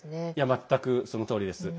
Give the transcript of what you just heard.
全くそのとおりです。